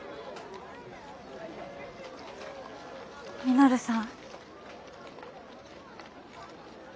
稔さん。